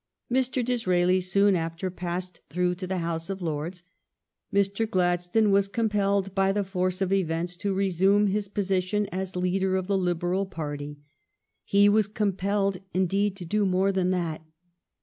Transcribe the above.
Mr. Disraeli soon after passed through to the House of Lords. Mr. Gladstone was compelled by the force of events to resume his position as leader of the Liberal party. He was compelled, indeed, to do more than that.